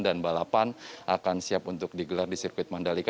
dan balapan akan siap untuk digelar di sirkuit mandalika